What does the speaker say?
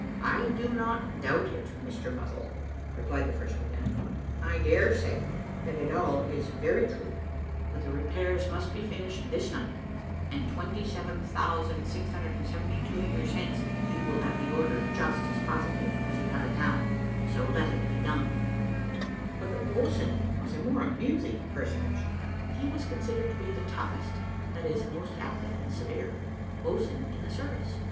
"I do not doubt it, Mr Muddle," replied the first lieutenant; "I dare say that it is all very true, but the repairs must be finished this night, and 27,672 years hence you will have the order just as positive as you have it now, so let it be done." But the boatswain was a more amusing personage. He was considered to be the taughtest (that is, the most active and severe) boatswain in the service.